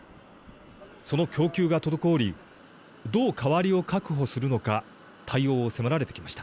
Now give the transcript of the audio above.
その供給が滞りどう代わりを確保するのか対応を迫られてきました。